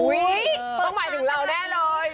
ต้องหมายถึงเราแน่เลย